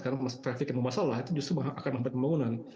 karena traffic yang memasalah itu justru akan membuat pembangunan